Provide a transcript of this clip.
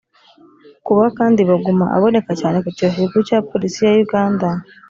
Kuba kandi Baguma aboneka cyane ku kicaro gikuru cya Polisi ya Uganda